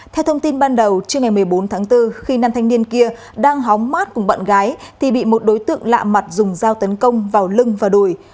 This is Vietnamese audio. theo thông tin ban đầu trước ngày một mươi bốn tháng bốn khi nam thanh niên kia đang hóng mát cùng bạn gái thì bị một đối tượng lạ mặt dùng dao tấn công vào lưng và đuổi